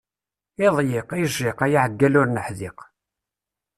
Iḍyiq, ijjiq, a yaɛeggal ur neḥdiq!